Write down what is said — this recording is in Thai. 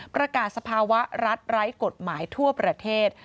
ประกาศสภาวะรัฐไร้กฎหมายทั่วประเทศ